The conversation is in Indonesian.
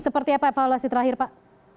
seperti apa evaluasi terakhir pak